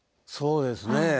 そうですね。